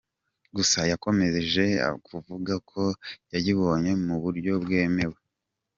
Gusa yakomeje kuvuga ko yayibonye mu buryo bwemewe.